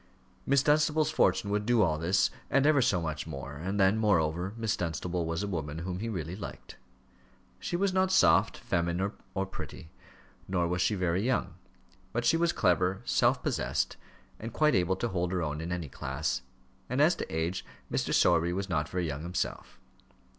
Miss Dunstable's fortune would do all this and ever so much more, and then, moreover, Miss Dunstable was a woman whom he really liked. She was not soft, feminine, or pretty, nor was she very young; but she was clever, self possessed, and quite able to hold her own in any class; and as to age, Mr. Sowerby was not very young himself.